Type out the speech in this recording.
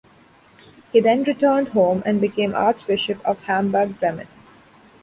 He then returned home and became Archbishop of Hamburg-Bremen.